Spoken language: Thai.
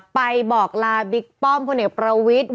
ไปบอกลาบิ๊กป้อมพลเอกประวิทธิ